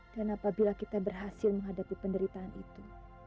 dan apabila kita berhasil menghadapi penderitaan itu